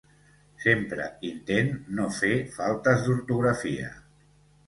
Sempre intent no fer faltes d'ortografia.